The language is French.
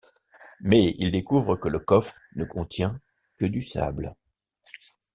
Mais il découvre que le coffre ne contient que du sable.